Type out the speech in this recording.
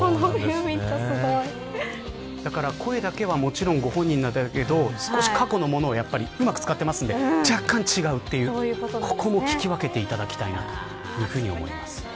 声だけはもちろんご本人ですが少し過去のものをうまく使っているので若干違うという、ここもここも聞き分けていただきたいなと思います。